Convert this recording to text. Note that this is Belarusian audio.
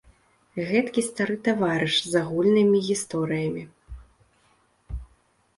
Гэткі стары таварыш з агульнымі гісторыямі.